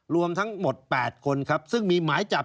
รวมทั้งหมด๘คนครับซึ่งมีหมายจับ